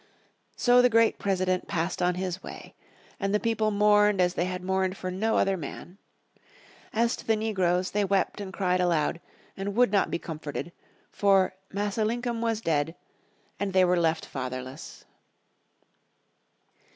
So the great President passed on his way. And the people mourned as they had mourned for no other man. As to the negroes they wept and cried aloud, and would not be comforted, for "Massa Linkum was dead," and they were left fatherless.